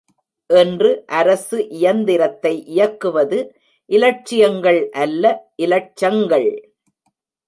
இன்று அரசு இயந்திரத்தை இயக்குவது இலட்சியங்கள் அல்ல இலட்சங்கள்.